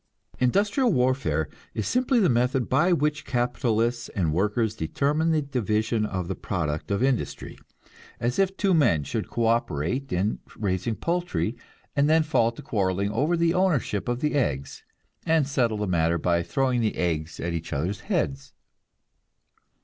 Industrial warfare is simply the method by which capitalists and workers determine the division of the product of industry; as if two men should co operate in raising poultry, and then fall to quarrelling over the ownership of the eggs, and settle the matter by throwing the eggs at each other's heads.